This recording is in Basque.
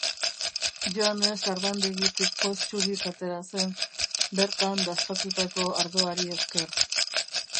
Joanes ardandegitik poz txuriz atera zen, bertan dastatutako ardoari esker.